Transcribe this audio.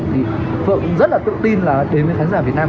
thì phượng rất là tự tin là đến với khán giả việt nam